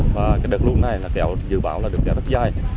và đợt lưu này dự báo là được kéo rất dài